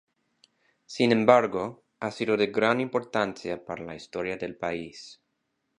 Sin embargo, ha sido de gran importancia para la historia del país.